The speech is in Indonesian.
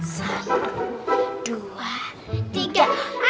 satu dua tiga